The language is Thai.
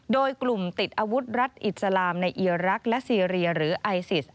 โดยกลุ่มติดอาวุธรัฐอิสลามในอีรักษ์และซีเรียหรือไอซิส